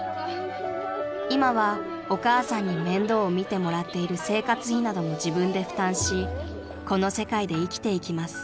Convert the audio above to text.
［今はお母さんに面倒を見てもらっている生活費なども自分で負担しこの世界で生きていきます］